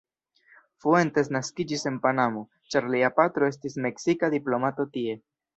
Fuentes naskiĝis en Panamo ĉar lia patro estis meksika diplomato tie.